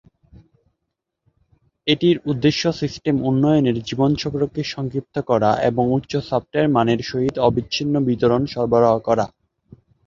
এটির উদ্দেশ্য সিস্টেম উন্নয়নের জীবন চক্রকে সংক্ষিপ্ত করা এবং উচ্চ সফ্টওয়্যার মানের সহিত অবিচ্ছিন্ন বিতরণ সরবরাহ করা।